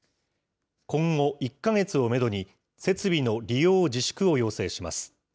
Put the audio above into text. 今後、１か月をメドに、設備の利用自粛を要請します。